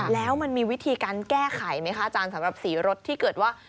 แล้วมันมีวิธีการแก้ไขไหมคะอาจารย์สำหรับสีรถที่เกิดว่า